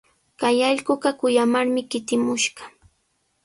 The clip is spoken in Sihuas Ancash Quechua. Kay allquqa kuyamarmi kutimushqa.